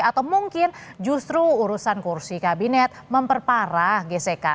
atau mungkin justru urusan kursi kabinet memperparah gesekan